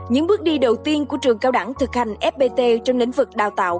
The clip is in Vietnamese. những bước đi đầu tiên của trường cao đẳng thực hành fpt trong lĩnh vực đào tạo